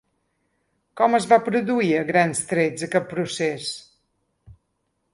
Com es va produir a grans trets aquest procés?